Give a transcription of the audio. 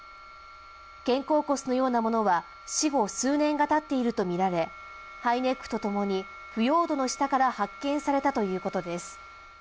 肩甲骨のようなものは死後数年が経っているとみられ、ハイネックとともに腐葉土の下から発見されたということです。